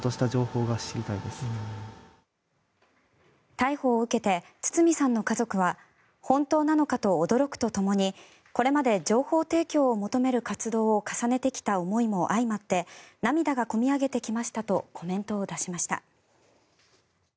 逮捕を受けて堤さんの家族は本当なのかと驚くとともにこれまで情報提供を求める活動を重ねてきた思いも相まって涙が込み上げてきましたとコメントを出しました。